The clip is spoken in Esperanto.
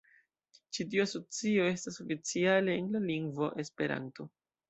Ĉi-tiu asocio estas oficiale en la lingvo "Esperanto".